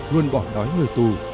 luôn bỏ đói người tù